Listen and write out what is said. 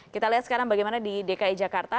kita lihat sekarang bagaimana di dki jakarta